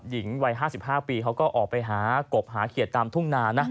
หญิงวัย๕๕ปีเขาก็ออกไปหากบหาเขียดตามทุ่งนานะ